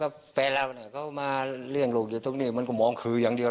แฟนเราก็มาเลี่ยงลูกอยู่ตรงนี้มันก็มองคืออย่างเดียว